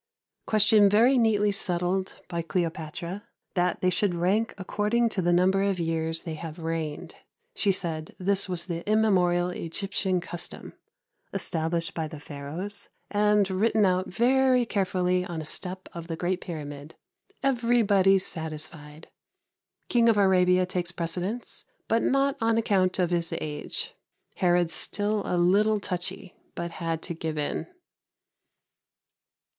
Question very neatly settled by Cleopatra. That they should rank according to the number of years they have reigned. She said this was the immemorial Egyptian custom, established by the Pharaohs and written out very carefully on a step of the great Pyramid. Everybody satisfied. King of Arabia takes precedence, but not on account of his age. Herod still a little touchy, but had to give in.